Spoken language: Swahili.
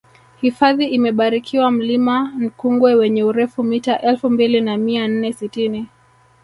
hifadhi imebarikiwa mlima nkungwe wenye urefu mita elfu mbili na mia nne sitini